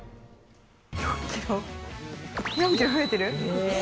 ４キロ増えてる。